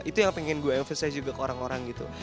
itu yang pengen gue elvice juga ke orang orang gitu